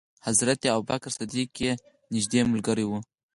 حضرت ابو بکر صدیق یې نېږدې ملګری و.